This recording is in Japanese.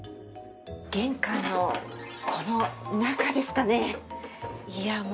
玄関のこの中ですかね。